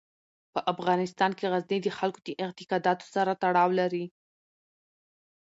په افغانستان کې غزني د خلکو د اعتقاداتو سره تړاو لري.